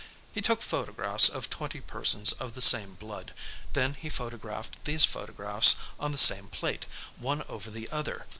He took photographs of twenty persons of the same blood, then he photographed these photographs on the same plate, one over the other.